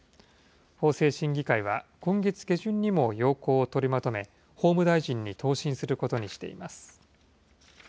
法制審議会は、今月下旬にも要綱を取りまとめ、法務大臣に答申することにしています。